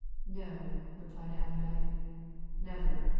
"No!" replied Allerdyke. "Never.